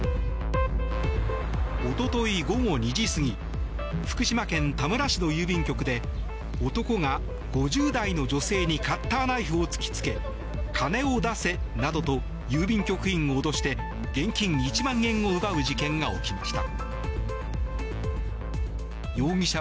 おととい午後２時過ぎ福島県田村市の郵便局で男が５０代の女性にカッターナイフを突きつけ金を出せなどと郵便局員を脅して現金１万円を奪う事件が起きました。